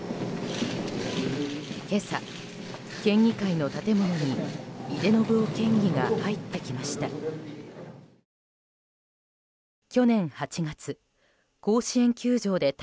今朝、県議会の建物に井手順雄県議が入ってきました。